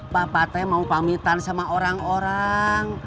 bapak teh mau pamitan sama orang orang